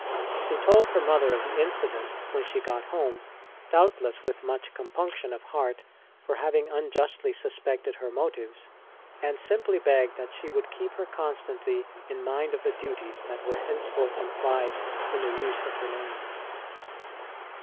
She told her mother of the incident when she got home, doubtless with much compunction of heart for having unjustly suspected her motives, and simply begged that she would keep her constantly in mind of the duties that were henceforth implied in the use of her name.